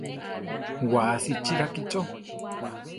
Wasi chi rakícho.